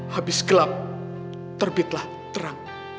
habis gelap terbitlah terang